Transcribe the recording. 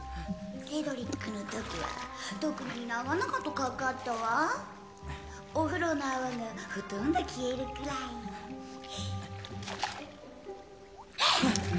セドリックの時は解くのに長々とかかったわお風呂の泡がほとんど消えるくらいはっ！